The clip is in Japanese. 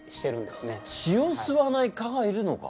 血を吸わない蚊がいるのか？